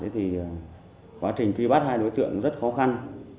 thì quá trình truy bắt hai đối tượng rất khó khăn